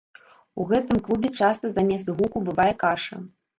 У гэтым клубе часта замест гуку бывае каша.